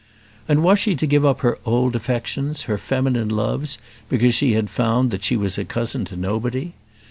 And was she to give up her old affections, her feminine loves, because she found that she was a cousin to nobody?